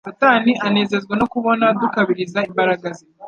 Satani anezezwa no kubona dukabiriza imbaraga ze.